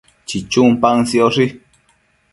chichun paën sioshi